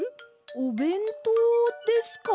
おべんとうですか？